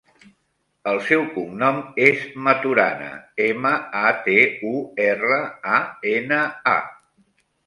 El seu cognom és Maturana: ema, a, te, u, erra, a, ena, a.